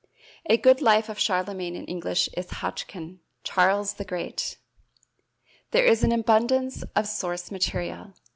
A good life of Charlemagne in English is Hodgkin, "Charles the Great." There is an abundance of source material.